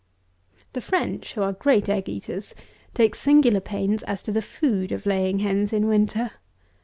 177. The French, who are great egg eaters, take singular pains as to the food of laying hens in winter.